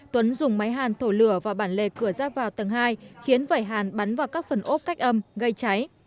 tuấn dùng máy hàn thổ lửa vào bản lề cửa ra vào tầng hai khiến vẩy hàn bắn vào các phần ốp cách âm gây cháy